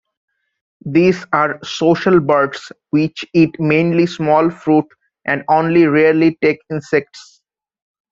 These are social birds which eat mainly small fruit and only rarely take insects.